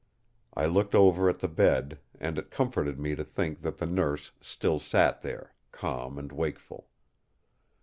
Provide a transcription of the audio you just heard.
I looked over at the bed; and it comforted me to think that the Nurse still sat there, calm and wakeful.